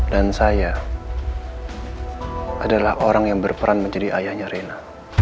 dan saya adalah orang yang berperan menjadi ayahnya rena